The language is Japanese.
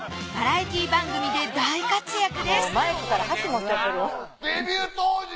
バラエティー番組で大活躍です！